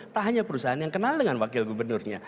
tak hanya perusahaan yang kenal dengan wakil gubernurnya